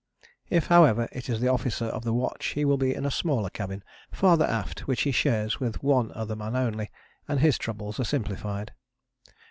If, however, it is the officer of the watch he will be in a smaller cabin farther aft which he shares with one other man only, and his troubles are simplified.